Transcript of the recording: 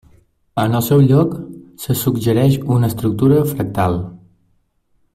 En el seu lloc, se suggereix una estructura fractal.